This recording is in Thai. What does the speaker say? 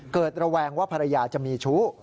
ระแวงว่าภรรยาจะมีชู้